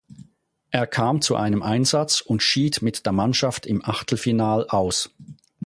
Er kam zu einem Einsatz und schied mit der Mannschaft im Achtelfinal aus.